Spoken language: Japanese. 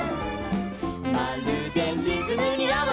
「まるでリズムにあわせて」